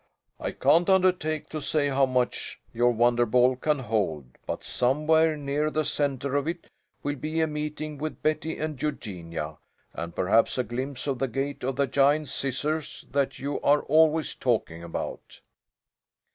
"I can't undertake to say how much your wonder ball can hold, but somewhere near the centre of it will be a meeting with Betty and Eugenia, and perhaps a glimpse of the Gate of the Giant Scissors that you are always talking about."